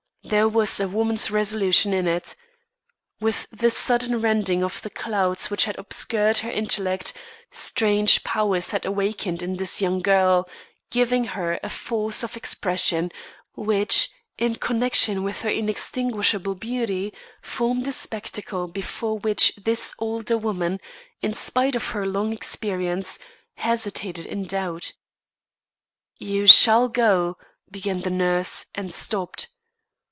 There was a woman's resolution in it. With the sudden rending of the clouds which had obscured her intellect, strange powers had awakened in this young girl, giving her a force of expression which, in connection with her inextinguishable beauty, formed a spectacle before which this older woman, in spite of her long experience, hesitated in doubt. "You shall go " began the nurse, and stopped.